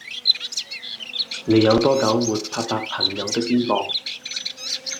你有多久沒拍拍朋友的肩膀